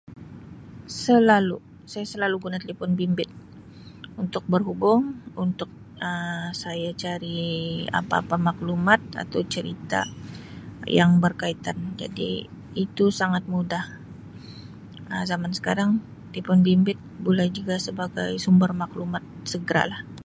Selalu, saya selalu guna telepon bimbit untuk berhubung, untuk Um saya cari apa-apa maklumat atau cerita yang berkaitan jadi itu sangat mudah Um zaman sekarang telepon bimbit boleh juga sebagai sumber maklumat segeralah.